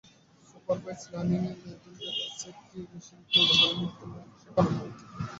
Supervised learning এ label dataset দিয়ে মেশিনকে উদাহরনের মাধ্যমে শেখানো হয়।